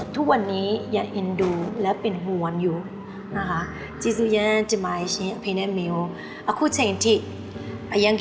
ทุกวันนี้อย่าเอ็นดูและเป็นห่วงอยู่นะคะ